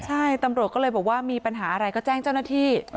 ใช่ตำรวจก็เลยบอกว่ามีปัญหาอะไรก็แจ้งเจ้าหน้าที่